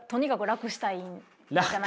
楽したい。